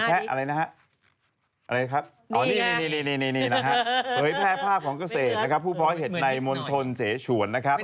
อะไรนะครับ